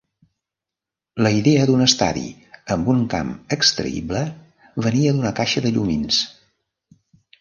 La idea d'un estadi amb un camp extraïble venia d'una caixa de llumins.